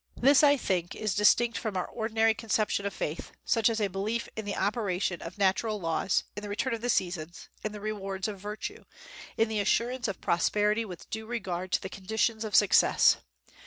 This, I think, is distinct from our ordinary conception of faith, such as a belief in the operation of natural laws, in the return of the seasons, in the rewards of virtue, in the assurance of prosperity with due regard to the conditions of success.